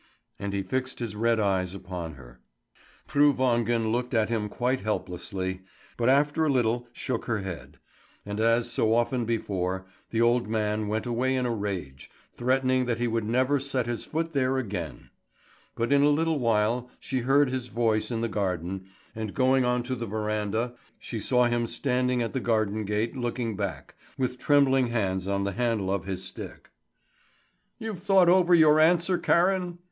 And he fixed his red eyes upon her. Fru Wangen looked at him quite helplessly, but after a little shook her head; and as so often before, the old man went away in a rage, threatening that he would never set his foot there again. But in a little while she heard his voice in the garden, and going on to the verandah, she saw him standing at the garden gate looking back, with trembling hands on the handle of his stick. "You've thought over your answer, Karen?"